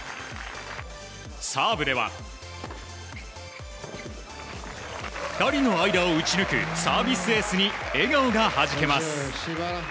サーブでは、２人の間を打ち抜くサービスエースに笑顔がはじけます。